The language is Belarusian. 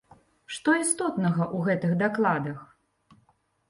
Што істотнага ў гэтых дакладах?